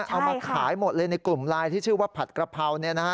เอามาขายหมดเลยในกลุ่มไลน์ที่ชื่อว่าผัดกระเพรา